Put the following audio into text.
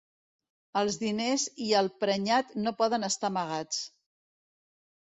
Els diners i el prenyat no poden estar amagats.